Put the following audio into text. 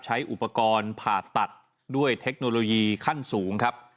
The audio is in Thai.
ใช้อุปกรณ์ผ่าตัดด้วยเทคโนโลยีขั้นสูงครับ